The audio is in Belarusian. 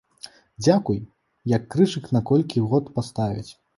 Дзякуй, як крыжык на колькі год паставяць.